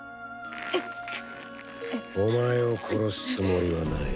お前を殺すつもりはない。